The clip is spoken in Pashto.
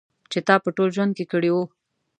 چې تا په ټول ژوند کې کړی و.